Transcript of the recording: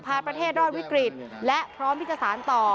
พาประเทศรอดวิกฤตและพร้อมพิจฐศาสตร์ต่อ